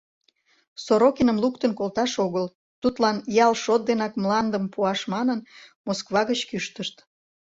Сорокиным луктын колташ огыл, тудлан ял шот денак мландым пуаш манын, Москва гыч кӱштышт.